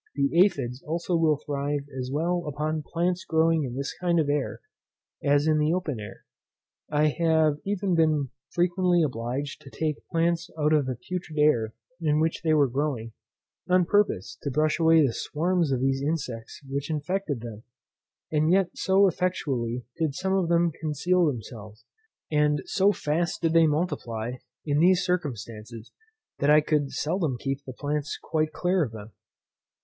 The aphides also will thrive as well upon plants growing in this kind of air, as in the open air. I have even been frequently obliged to take plants out of the putrid air in which they were growing, on purpose to brush away the swarms of these insects which infected them; and yet so effectually did some of them conceal themselves, and so fast did they multiply, in these circumstances, that I could seldom keep the plants quite clear of them.